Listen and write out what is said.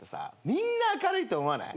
みんな明るいと思わない？